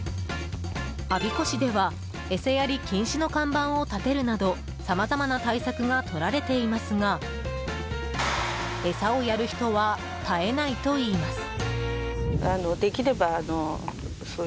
我孫子市では餌やり禁止の看板を立てるなどさまざまな対策がとられていますが餌をやる人は絶えないといいます。